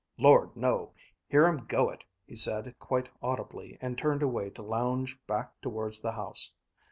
"Lord, no! Hear 'em go it!" he said quite audibly and turned away to lounge back towards the house.